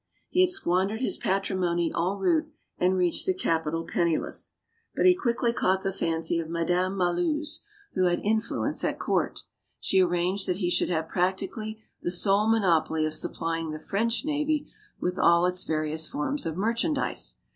He had squandered his patrimoney en route, and reached the capital penniless. But he quickly caught the fancy of Madame Malouse, who had influence at court. She arranged that he should have practically the sole monopoly of supplying the French navy with all its various forms of merchandise.